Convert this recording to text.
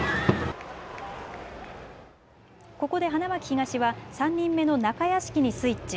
ここで花巻東は３人目の中屋敷にスイッチ。